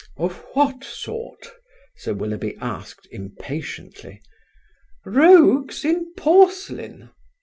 "Of what sort?" Sir Willoughby asked, impatiently. "Rogues in porcelain."